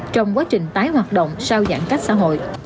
trong quá trình tái hoạt động sau giãn cách xã hội